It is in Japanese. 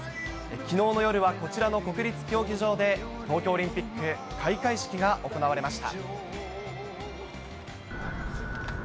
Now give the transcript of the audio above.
きのうの夜はこちらの国立競技場で東京オリンピック開会式が行われました。